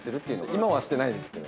今はしてないですけど。